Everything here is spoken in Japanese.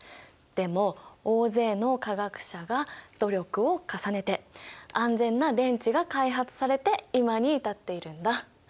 でも大勢の化学者が努力を重ねて安全な電池が開発されて今に至っているんだ。